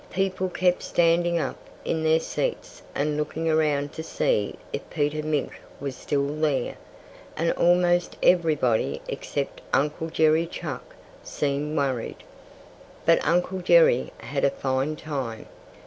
People kept standing up in their seats and looking around to see if Peter Mink was still there. And almost everybody except Uncle Jerry Chuck seemed worried. But Uncle Jerry had a fine time.